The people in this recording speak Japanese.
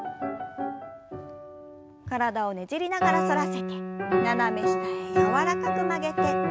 体をねじりながら反らせて斜め下へ柔らかく曲げて。